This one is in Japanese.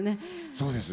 そうです。